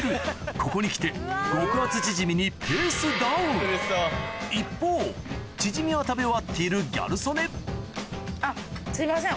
ここにきて極厚チヂミに一方チヂミは食べ終わっているギャル曽根すいません。